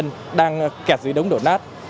những nạn nhân đang kẹt dưới đống đổ nát